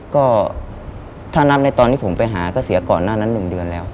ก็ถ้านับในตอนที่ผมไปหาก็เสียก่อนหน้านั้น๑เดือนแล้ว